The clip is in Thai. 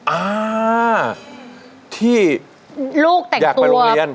อ่าที่อยากไปโรงเรียน